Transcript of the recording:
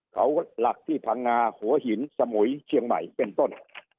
เขาหลักที่พังงาหัวหินสมุยเชียงใหม่เป็นต้น